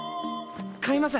買います！